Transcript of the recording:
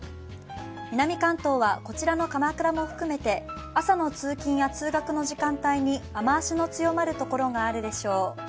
南関東はこちらの鎌倉も含めて朝の通勤や通学の時間帯に雨足の強まる所があるでしょう。